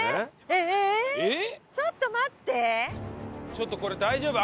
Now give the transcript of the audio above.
ちょっとこれ大丈夫？